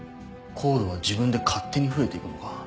ＣＯＤＥは自分で勝手に増えていくのか？